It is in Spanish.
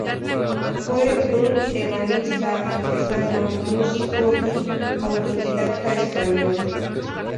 Fue un ebanista, artesano, músico y autodidacta español.